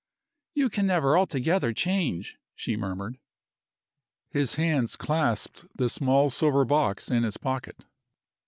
"You can never altogether change," she murmured. His hands clasped the small silver box in his pocket.